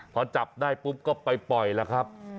พอจับได้ปุ๊บก็ไปปล่อยแล้วครับ